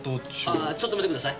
ああちょっと待ってください。